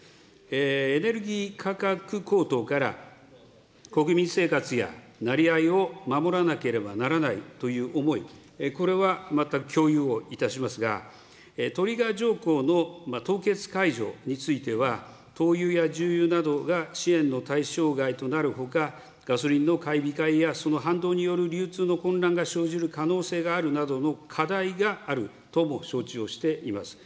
エネルギー価格高騰から、国民生活やなりわいを守らなければならないという思い、これは全く共有をいたしますが、トリガー条項の凍結解除については、灯油や重油などが支援の対象外となるほか、ガソリンの買い控えや、その反動による流通の混乱が生じる可能性があるなどの課題があるとも承知をしています。